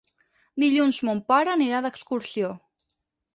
Dilluns mon pare anirà d'excursió.